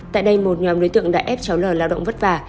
tại đây một nhóm đối tượng đã ép cháu lờ lao động vất vả